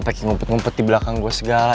pengen ngumpet ngumpet di belakang gue segala